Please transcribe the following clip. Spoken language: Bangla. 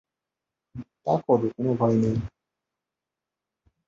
তা কোরো, কোনো ভয় নেই।